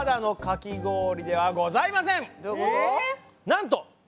なんと！